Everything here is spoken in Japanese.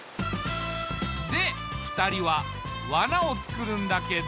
で２人はわなをつくるんだけど。